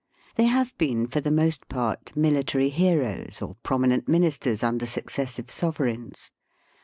They have been for the most part military heroes or prominent ministers under successive sovereigns.